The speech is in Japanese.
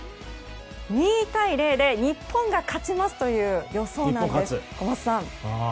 ２対０で日本が勝ちますという予想なんです、小松さん。